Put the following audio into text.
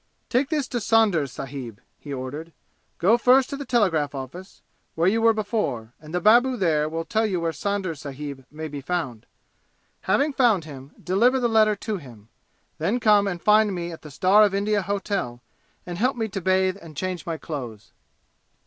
"Take this to Saunders sahib!" he ordered. "Go first to the telegraph office, where you were before, and the babu there will tell you where Saunders sahib may be found. Having found him, deliver the letter to him. Then come and find me at the Star of India Hotel and help me to bathe and change my clothes."